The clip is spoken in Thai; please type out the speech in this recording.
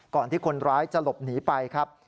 ก่อนที่คนร้ายจะหลบหนีไปครับ